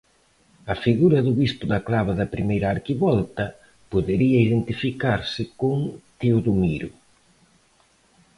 A figura do bispo da clave da primeira arquivolta podería identificarse con Teodomiro.